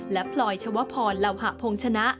และพลอยชวพรลาวหะพงษ์ชนะ